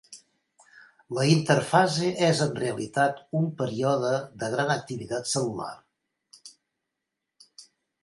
La interfase és en realitat un període de gran activitat cel·lular.